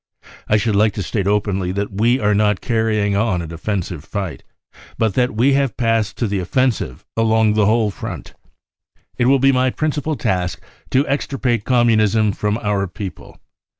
I should like to state openly that we are not carrying on a de fensive fight but that we have passed to the offensive along the whole front. It will be my principal task to extirpate Communism from our people.